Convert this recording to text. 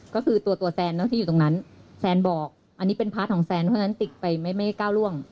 ก็คือตัวแซนที่อยู่ตรงนั้นแซนบอกอันนี้เป็นพาร์ทของแซนเพราะฉะนั้นติ๊กไปไม่ก้าวร่วง